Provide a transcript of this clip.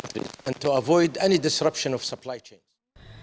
dan untuk mengelakkan penyebab dari jaringan penyelenggaraan